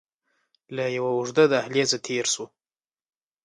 له يوه اوږد دهليزه تېر سو.